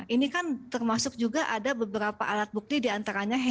ini kan termasuk juga ada beberapa alat bukti diantaranya handphone